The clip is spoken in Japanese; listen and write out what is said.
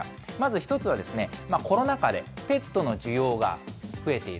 まず１つは、コロナ禍でペットの需要が増えている。